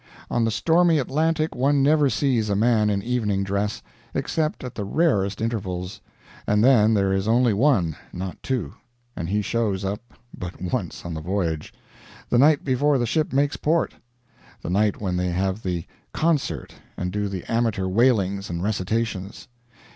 On the stormy Atlantic one never sees a man in evening dress, except at the rarest intervals; and then there is only one, not two; and he shows up but once on the voyage the night before the ship makes port the night when they have the "concert" and do the amateur wailings and recitations.